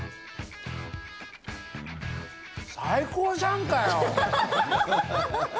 最高じゃんかよ！